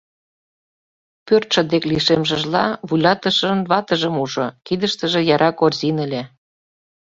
Пӧртшӧ дек лишемшыжла вуйлатышын ватыжым ужо, кидыштыже яра корзин ыле.